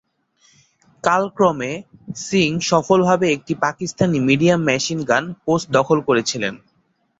কালক্রমে, সিং সফলভাবে একটি পাকিস্তানি মিডিয়াম মেশিন-গান পোস্ট দখল করেছিলেন।